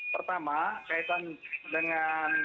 pertama kaitan dengan